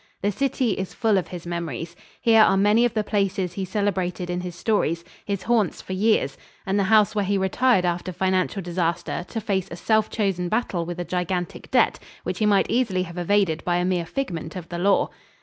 The city is full of his memories. Here are many of the places he celebrated in his stories, his haunts for years, and the house where he retired after financial disaster to face a self chosen battle with a gigantic debt which he might easily have evaded by a mere figment of the law.